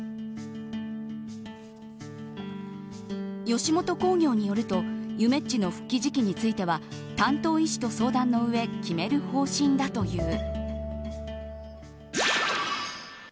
吉本興業によるとゆめっちの復帰時期については担当医師と相談のうえ決める方針だという。